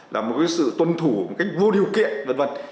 là một sự tuân thủ một cách vô điều kiện v v